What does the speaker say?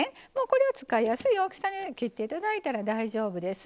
これは使いやすい大きさで切っていただいたら大丈夫です。